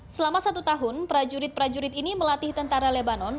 selama satu tahun prajurit prajurit ini melatih tentara lebanon